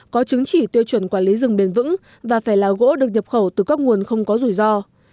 có chứng chỉ tiêu chuẩn quản lý rừng bền vững và phải là gỗ được nhập khẩu từ các nguồn không có rủi ro